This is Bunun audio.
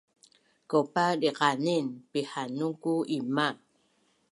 Kaupa diqanin pihanun ku ima